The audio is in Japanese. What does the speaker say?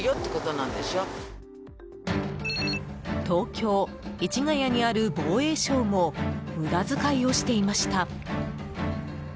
東京・市ヶ谷にある防衛省も無駄遣いをしてしまいました。